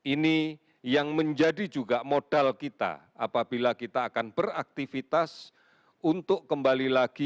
ini yang menjadi juga modal kita apabila kita akan beraktivitas untuk kembali lagi